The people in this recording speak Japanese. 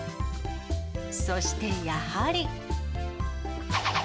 そしてやはり。